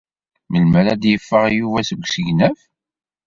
Melmi ara d-yeffeɣ Yuba seg usegnaf?